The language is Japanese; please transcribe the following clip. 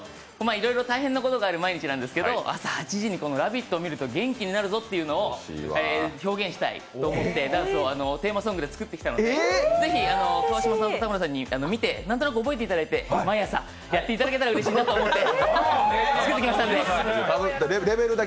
いろいろ大変なことがある毎日なんですけども、朝８時に「ラヴィット！」を見ると元気になるぞというのを表現したいと思ってダンスをテーマソングで作ってきたのでぜひ川島さんと田村さんに見てなんとなく覚えていただいて毎朝、やっていただけたらうれしいなと思って作ってきましたので。